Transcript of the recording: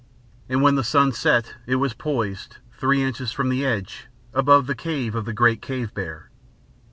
And when the sun set it was poised, three inches from the edge, above the cave of the great cave bear.